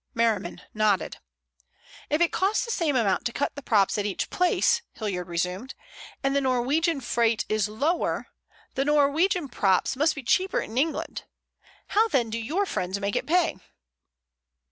Merriman nodded. "If it costs the same amount to cut the props at each place," Hilliard resumed, "and the Norwegian freight is lower, the Norwegian props must be cheaper in England. How then do your friends make it pay?"